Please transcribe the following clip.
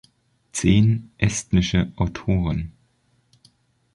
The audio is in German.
Zehn estnische Autoren.